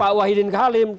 pak wahidin kalim